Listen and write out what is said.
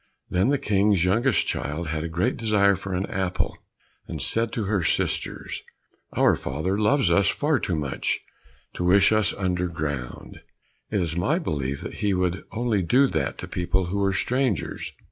Then the King's youngest child had a great desire for an apple, and said to her sisters, "Our father loves us far too much to wish us underground, it is my belief that he would only do that to people who were strangers."